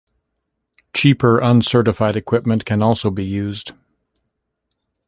Cheaper, uncertified equipment can also be used.